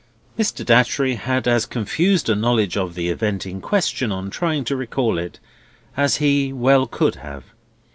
Mr. Datchery had as confused a knowledge of the event in question, on trying to recall it, as he well could have.